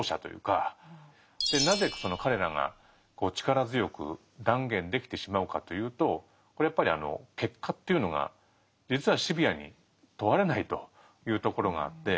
でなぜその彼らが力強く断言できてしまうかというとこれやっぱり結果というのが実はシビアに問われないというところがあって。